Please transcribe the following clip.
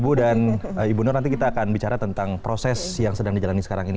ibu dan ibu nur nanti kita akan bicara tentang proses yang sedang dijalani sekarang ini